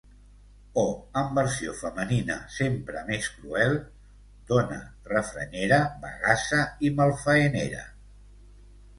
O en versió femenina, sempre més cruel: "dona refranyera, bagassa i malfaenera".